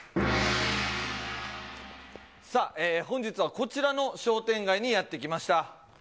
さあ、本日はこちらの商店街にやって来ました。